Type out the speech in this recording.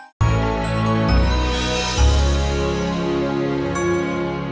nah serempak pengh morris